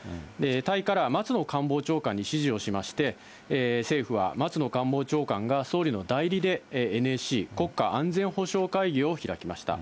タイから松野官房長官に指示をしまして、政府は松野官房長官が総理の代理でＮＳＣ・国家安全保障会議を開きました。